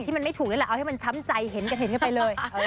มันไม่ถูกนั่นแหละเอาให้มันช้ำใจเห็นกันเห็นกันไปเลย